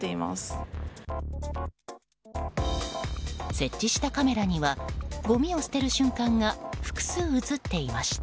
設置したカメラにはごみを捨てる瞬間が複数、映っていました。